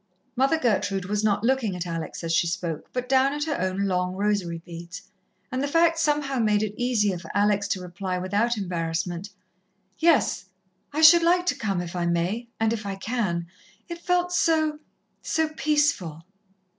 Mother Gertrude was not looking at Alex as she spoke, but down at her own long rosary beads; and the fact somehow made it easier for Alex to reply without embarrassment. "Yes, I should like to come if I may and if I can. It felt so so peaceful."